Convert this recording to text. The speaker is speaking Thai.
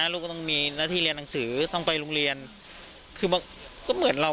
ลูกก็ต้องมีหน้าที่เรียนหนังสือต้องไปโรงเรียนคือก็เหมือนเรา